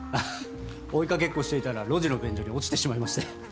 追いかけっこしていたら路地の便所に落ちてしまいまして。